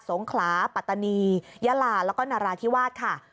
งขลาปัตตานียะลาแล้วก็นราธิวาสค่ะ